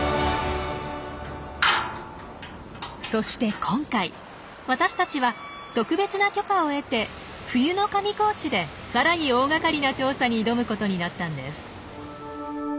そして今回私たちは特別な許可を得て冬の上高地でさらに大がかりな調査に挑むことになったんです。